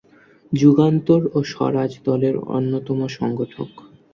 যুগান্তর ও স্বরাজ দলের অন্যতম সংগঠক।